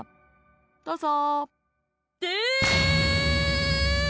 どうぞ。